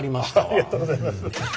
ありがとうございます。